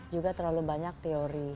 juga terlalu banyak teori